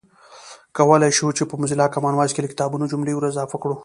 کولای شئ چې په موزیلا کامن وایس کې له کتابونو جملې ور اضافه کړئ